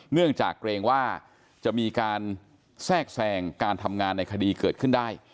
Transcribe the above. เนื่องจากเกรงว่าจะมีการแทรกแทรงการทำงานในคดีเกิดขึ้นได้